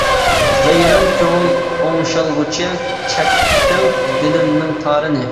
ۋەيران كۆڭۈل ئوڭشالغۇچە، چەكتىڭ دىلىمنىڭ تارىنى.